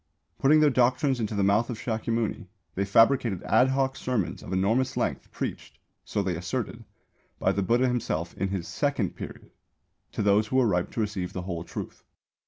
Putting their doctrines into the mouth of Shākyamuni, they fabricated ad hoc sermons of enormous length, preached (so they asserted) by the Buddha himself in his "second period" to those who were ripe to receive the whole truth.